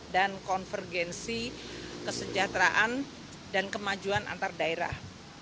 dan konvergensi kesejahteraan dan kemajuan antar daerah